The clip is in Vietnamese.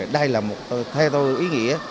đây là một theo tôi ý nghĩa